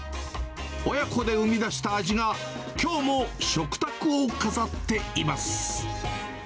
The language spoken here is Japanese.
親子で生み出した味が、きょうも食卓を飾っています。